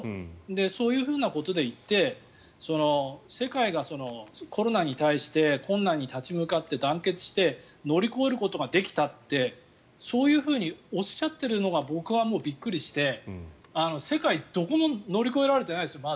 そういうようなことで言って世界がコロナに対して困難に立ち向かって団結して乗り越えることができたってそういうふうにおっしゃっているのが僕はもう、びっくりして世界、どこもまだ乗り越えられてないですよ。